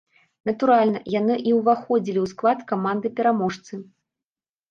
Натуральна, яны і ўваходзілі ў склад каманды-пераможцы.